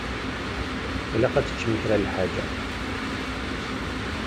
Ilaq ad teččem kra n lḥaǧa.